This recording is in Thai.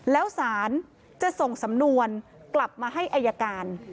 แล้วสารจะส่งสำนวนกลับมาให้อายการ